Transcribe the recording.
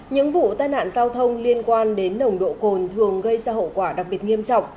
những vụ tai nạn giao thông liên quan đến nồng độ cồn thường gây ra hậu quả đặc biệt nghiêm trọng